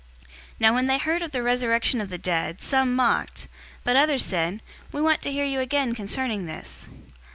017:032 Now when they heard of the resurrection of the dead, some mocked; but others said, "We want to hear you again concerning this."